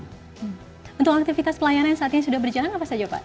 untuk aktivitas pelayanan yang satu